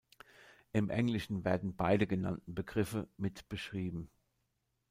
Im Englischen werden beide genannten Begriffe mit beschrieben.